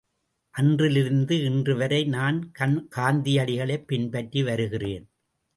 அன்றிலிருந்து இன்றுவரை நான் காந்தியடிகளைப் பின்பற்றி வருகிறேன்.